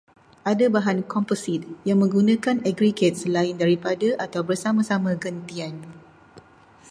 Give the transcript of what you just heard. Ada bahan komposit yang menggunakan aggregrat selain daripada, atau bersama-sama gentian